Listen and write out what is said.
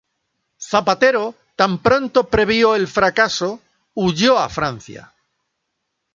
Zapatero, tan pronto como previó el fracaso, huyó a Francia.